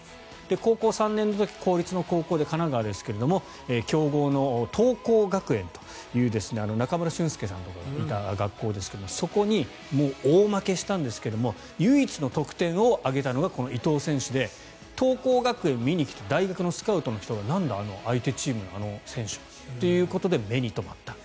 高校３年の時公立の高校で、神奈川ですが強豪の桐光学園という中村俊輔さんとかがいた学校ですがそこに大負けしたんですが唯一の得点を挙げたのがこの伊東選手で桐光学園を見に来た大学のスカウトの人がなんだ、あの相手チームの選手ということで目に留まった。